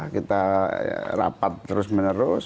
kita rapat terus menerus